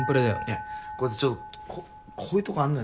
いやこいつちょっとここういうとこあんのよ